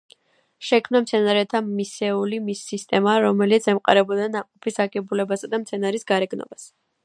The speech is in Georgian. შექმნა მცენარეთა მისეული სისტემა, რომელიც ემყარებოდა ნაყოფის აგებულებასა და მცენარის გარეგნობას.